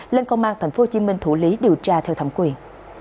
lên công an tp hcm thủ lý điều tra theo thẩm quyền